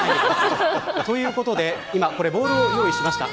ということで今、ボールを用意しました。